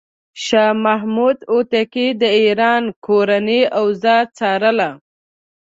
شاه محمود هوتکی د ایران کورنۍ اوضاع څارله.